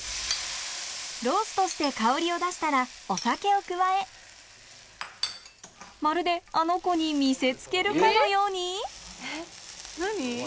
ローストして香りを出したらお酒を加えまるでアノ娘に見せつけるかのようにえっ何？